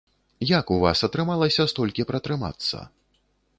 Як у вас атрымалася столькі пратрымацца?